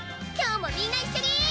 今日もみんな一緒に！